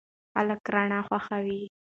خلک رڼا خوښوي.